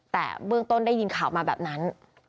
แต่เบื้องต้นได้ยินข่าวมาแบบนั้น